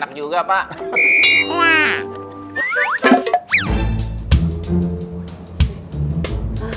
enak juga pak